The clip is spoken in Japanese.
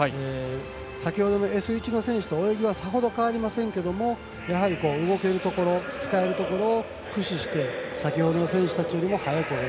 先ほどのＳ１の選手と泳ぎはさほど変わりませんがやはり、動けるところ使えるところを駆使して先ほどの選手たちよりも速く泳ぐ。